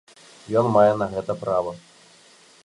Ён мае на гэта права.